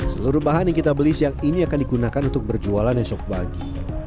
seluruh bahan yang kita beli siang ini akan digunakan untuk berjualan esok pagi